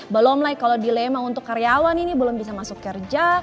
belum lagi kalau dilema untuk karyawan ini belum bisa masuk kerja